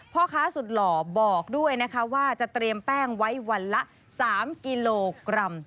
พ่อค้าสุดหล่อบอกด้วยนะคะว่าจะเตรียมแป้งไว้วันละ๓กิโลกรัม